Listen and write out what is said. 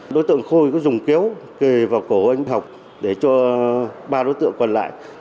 đối tượng khôi có dùng kéo kề vào cổ anh học để cho ba đối tượng còn lại